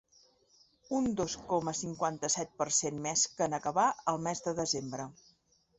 Un dos coma cinquanta-set per cent més que en acabar el mes de desembre.